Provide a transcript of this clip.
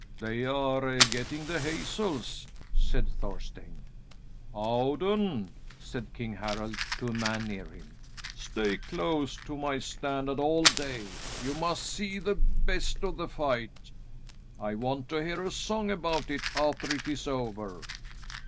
"They are getting the hazels," said Thorstein. "Audun," said King Harald to a man near him, "stay close to my standard all day. You must see the best of the fight. I want to hear a song about it after it is over."